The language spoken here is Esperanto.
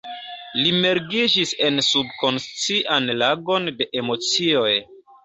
Li mergiĝis en subkonscian lagon de emocioj.